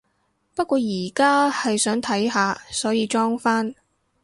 不過而家係想睇下，所以裝返